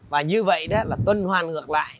và như vậy đó là tuần hoàn ngược lại